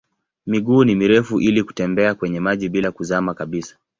Miguu ni mirefu ili kutembea kwenye maji bila kuzama kabisa.